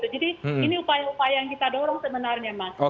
jadi ini upaya upaya yang kita dorong sebenarnya mas